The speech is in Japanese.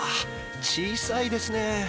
小さいですね